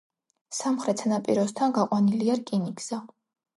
სამხრეთ სანაპიროსთან გაყვანილია რკინიგზა.